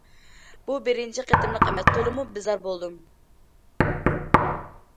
بۇ بىرىنچى قېتىملىق ئەمەس، تولىمۇ بىزار بولدۇم.